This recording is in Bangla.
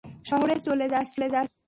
শহরে চলে যাচ্ছি।